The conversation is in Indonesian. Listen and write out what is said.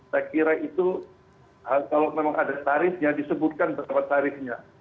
saya kira itu kalau memang ada tarifnya disebutkan berapa tarifnya